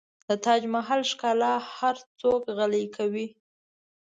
د تاج محل ښکلا هر څوک غلی کوي.